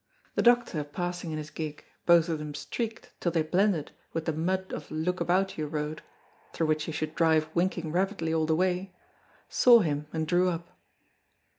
The doctor passing in his gig, both of them streaked, till they blended, with the mud of Look about you road (through which you should drive winking rapidly all the way), saw him and drew up.